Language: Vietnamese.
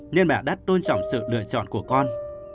nên mẹ đã tôn trọng sự lựa chọn của con